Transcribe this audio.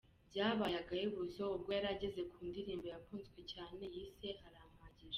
Byabaye agahebuzo ubwo yari ageze ku ndirimbo yakunzwe cyane yise ‘Arampagije’.